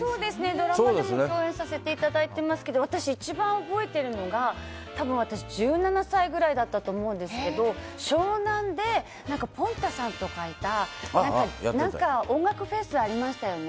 ドラマでも共演させていただいてますけど一番覚えてるのが１７歳くらいだったと思うんですけど湘南でポンタさんとかいた音楽フェスがありましたよね。